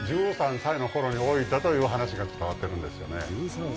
１３歳のころに置いたという話が伝わっているんですよね。